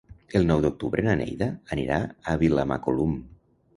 El nou d'octubre na Neida anirà a Vilamacolum.